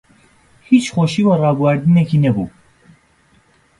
هیچ خۆشی و ڕابواردنێکی نەبوو